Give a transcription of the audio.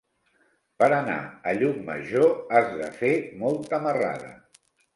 Per anar a Llucmajor has de fer molta marrada.